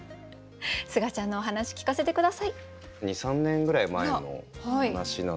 すがちゃんのお話聞かせて下さい。